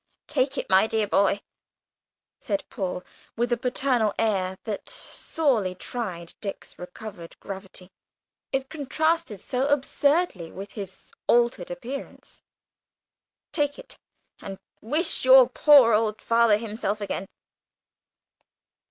"Take it, my dear boy," said Paul, with a paternal air that sorely tried Dick's recovered gravity, it contrasted so absurdly with his altered appearance. "Take it, and wish your poor old father himself again!"